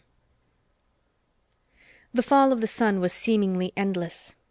VII The fall of the sun was seemingly endless.